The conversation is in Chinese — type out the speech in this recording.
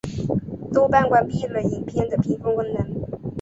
豆瓣关闭了影片的评分功能。